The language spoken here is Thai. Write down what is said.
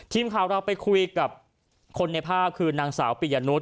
ทีมข่าวเราไปคุยกับคนในภาพคือนางสาวปิยนุษ